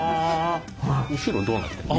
後ろどうなってんの？